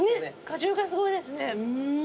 果汁がすごいですね。